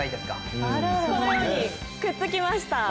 このようにくっつきました。